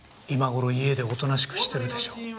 今頃家でおとなしくしてるでしょう。